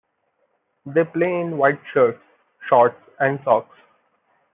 They play in white shirts, shorts and socks.